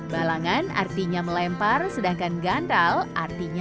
balangan artinya melempar sedangkan gandal artinya